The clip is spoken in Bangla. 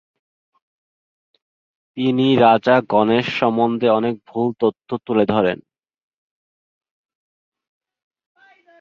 তিনি রাজা গণেশ সম্বন্ধে অনেক নতুন তথ্য তুলে ধরেন।